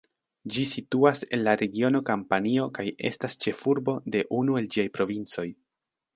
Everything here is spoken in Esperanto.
Ĝi situas en la regiono Kampanio kaj estas ĉefurbo de unu el ĝiaj provincoj.